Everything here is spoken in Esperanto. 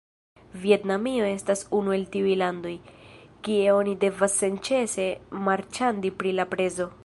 Vjetnamio estas unu el tiuj landoj, kie oni devas senĉese marĉandi pri la prezo